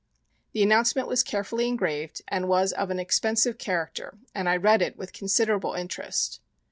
The announcement was carefully engraved and was of an expensive character, and I read it with considerable interest.